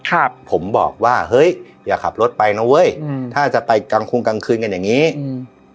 ครับผมบอกว่าเฮ้ยอย่าขับรถไปนะเว้ยอืมถ้าจะไปกลางคงกลางคืนกันอย่างงี้อืม